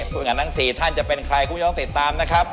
ผู้หญิงอันทั้ง๔ท่านจะเป็นใครคุณไม่ต้องติดตามนะครับ